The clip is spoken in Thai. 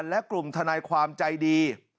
และกลุ่มทนายความใจดี